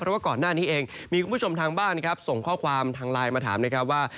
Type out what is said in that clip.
เพราะว่าก่อนหน้านี้เองมีคุณผู้ชมทางบ้านนะครับส่งข้อความทางไลน์มาถามนะครับว่า